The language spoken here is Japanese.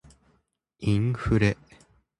インフレ